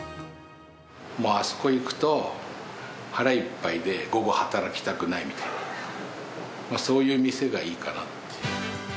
あそこ行くと、腹いっぱいで、午後働きたくないみたいな、そういう店がいいかな